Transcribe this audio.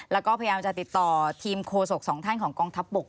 แล้วก็พยายามจะติดต่อทีมโคศกสองท่านของกองทัพบก